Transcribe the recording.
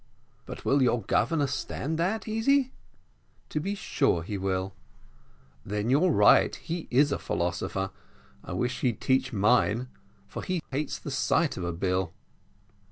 "But will your governor stand that, Easy?" "To be sure he will." "Then you're right he is a philosopher I wish he'd teach mine, for he hates the sight of a bill."